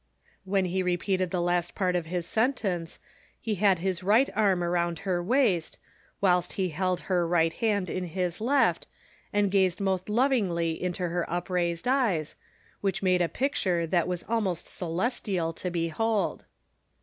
" When he repeated the last part of this sentence, lie had his right arm around her waist, wliilst he held her right hand in his left, and gazed most lovingly into her upraised eyes, which made a picture that was almost celestial to behold.